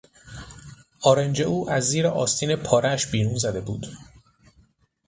آرنج او از زیر آستین پارهاش بیرون زده بود.